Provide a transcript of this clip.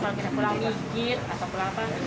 kalau kita pulang mikir atau apa